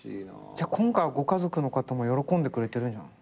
じゃあ今回ご家族の方も喜んでくれてるんじゃない？